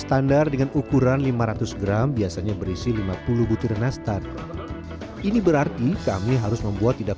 standar dengan ukuran lima ratus gram biasanya berisi lima puluh butir nastar ini berarti kami harus membuat tidak